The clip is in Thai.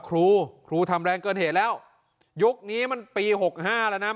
ครูครูทำแรงเกินเหตุแล้วยุคนี้มันปีหกห้าแล้วนะ